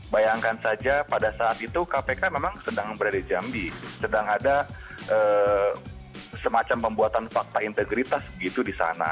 bayangkan saja pada saat itu kpk memang sedang berada di jambi sedang ada semacam pembuatan fakta integritas begitu di sana